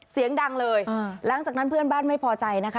เสียงดังเลยหลังจากนั้นเพื่อนบ้านไม่พอใจนะคะ